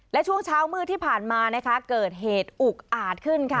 และช่วงเช้ามืดที่ผ่านมานะคะเกิดเหตุอุกอาจขึ้นค่ะ